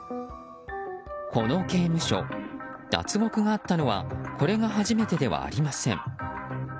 この刑務所、脱獄があったのはこれが初めてではありません。